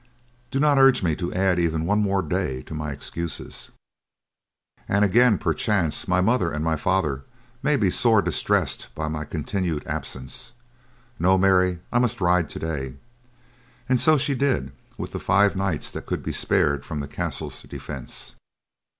Do not urge me to add even one more day to my excuses. And again, perchance, my mother and my father may be sore distressed by my continued absence. No, Mary, I must ride today." And so she did, with the five knights that could be spared from the castle's defence.